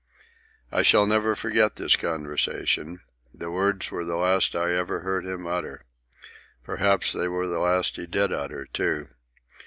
I shall never forget this conversation. The words were the last I ever heard him utter. Perhaps they were the last he did utter, too.